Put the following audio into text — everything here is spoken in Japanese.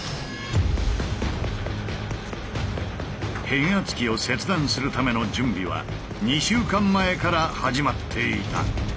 変圧器を切断するための準備は２週間前から始まっていた。